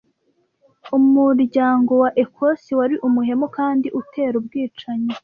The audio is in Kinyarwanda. Umuryango wa Ecosse wari umuhemu kandi utera ubwicanyi